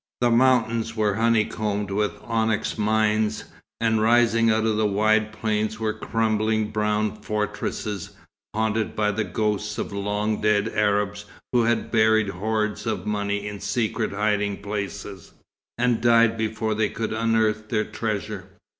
The mountains were honeycombed with onyx mines; and rising out of wide plains were crumbling brown fortresses, haunted by the ghosts of long dead Arabs who had buried hoards of money in secret hiding places, and died before they could unearth their treasure.